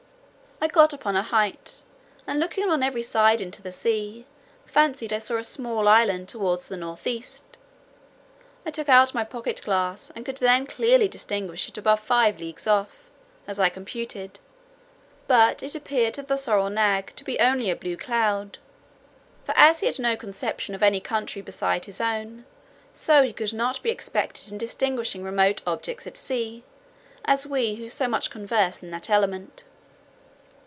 I got upon a height, and looking on every side into the sea; fancied I saw a small island toward the north east. I took out my pocket glass, and could then clearly distinguish it above five leagues off, as I computed; but it appeared to the sorrel nag to be only a blue cloud: for as he had no conception of any country beside his own, so he could not be as expert in distinguishing remote objects at sea, as we who so much converse in that element.